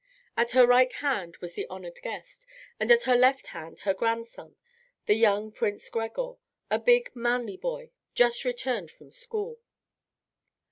At her right hand was the honoured guest, and at her left hand her grandson, the young Prince Gregor, a big, manly boy, just returned from school.